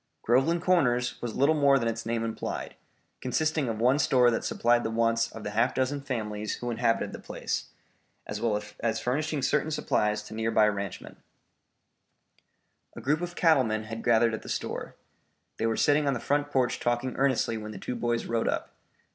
Groveland Corners was little more than its name implied, consisting of one store that supplied the wants of the half dozen families who inhabited the place, as well as furnishing certain supplies to near by ranchmen. A group of cattle men had gathered at the store. They were sitting on the front porch talking earnestly when the two boys rode up.